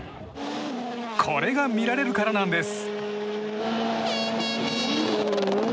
これが見られるからなんです。